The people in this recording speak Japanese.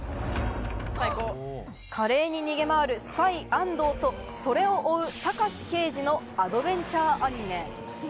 華麗に逃げ回るスパイ、アンドーと、それを追うタカシ刑事のアドベンチャーアニメ。